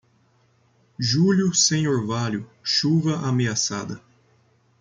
Julho sem orvalho, chuva ameaçada.